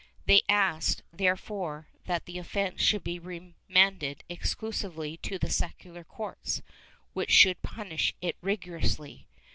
They asked, therefore, that the offence should be remanded exclusively to the secular courts, which should punish it rigorously.